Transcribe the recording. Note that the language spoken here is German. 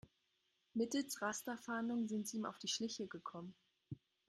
Mittels Rasterfahndung sind sie ihm auf die Schliche gekommen.